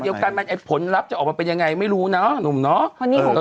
เดียวกันมันไอ้ผลลัพธ์จะออกมาเป็นยังไงไม่รู้เนาะหนุ่มเนาะ